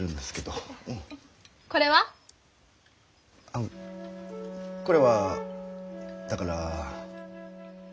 あのこれはだから。